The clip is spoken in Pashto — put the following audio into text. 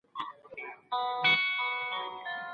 د جمهوریت اعلان د خلکو لپاره نوی خبر و.